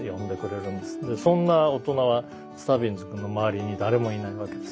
そんな大人はスタビンズ君の周りに誰もいないわけです。